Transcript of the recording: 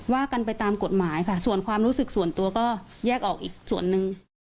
ว่ากันไปตามกฎหมายค่ะส่วนความรู้สึกส่วนตัวก็แยกออกอีกส่วนหนึ่ง